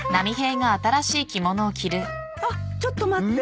あっちょっと待って。